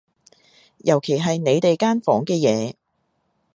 尤其係你哋間房嘅嘢